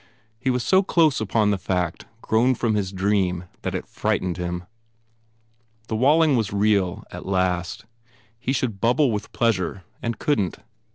He was so close upon the fact grown from his dream that it frightened him. The Walling was real, at last. He should bubble with pleasure and couldn t.